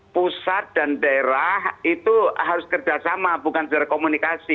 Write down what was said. pusat dan daerah itu harus kerjasama bukan secara komunikasi